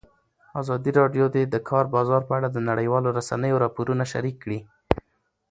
ازادي راډیو د د کار بازار په اړه د نړیوالو رسنیو راپورونه شریک کړي.